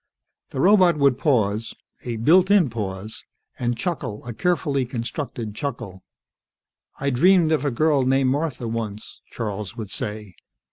The robot would pause a built in pause and chuckle a carefully constructed chuckle. "I dreamed of a girl named Martha once," Charles would say.